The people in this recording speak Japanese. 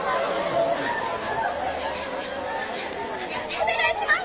お願いします！